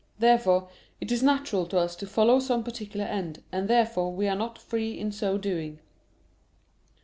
Therefore it is natural to us to follow some particular end, and therefore we are not free in so doing.